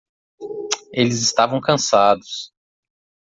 Eles estavam cansados.